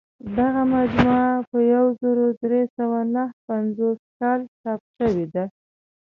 دغه مجموعه په یو زر درې سوه نهه پنځوس کال چاپ شوې ده.